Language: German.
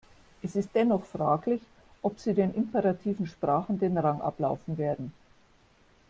Es ist dennoch fraglich, ob sie den imperativen Sprachen den Rang ablaufen werden.